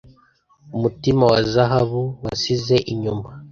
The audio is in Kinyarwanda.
umutima wa zahabu wasize inyuma